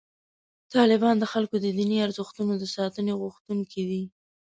طالبان د خلکو د دیني ارزښتونو د ساتنې غوښتونکي دي.